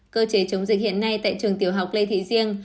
cơ chế chống dịch hiện nay tại trường tiểu học lê thị riêng